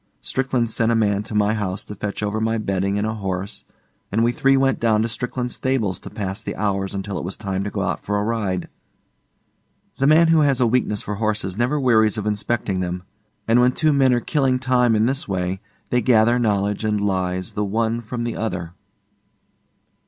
Strickland sent a man to my house to fetch over my bedding and a horse, and we three went down to Strickland's stables to pass the hours until it was time to go out for a ride. The man who has a weakness for horses never wearies of inspecting them; and when two men are killing time in this way they gather knowledge and lies the one from the other.